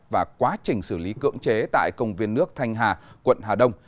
và quá trình xử lý cưỡng chế tại công viên nước thanh hà quận hà đông